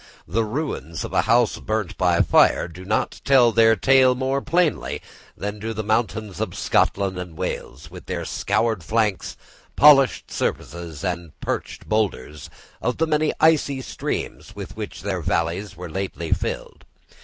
The ruins of a house burnt by fire do not tell their tale more plainly than do the mountains of Scotland and Wales, with their scored flanks, polished surfaces, and perched boulders, of the icy streams with which their valleys were lately filled.